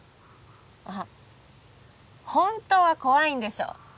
あっホントは怖いんでしょ？